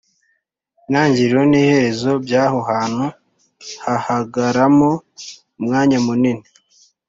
Intangiriro n iherezo by aho hantu hahagaramo umwanya munini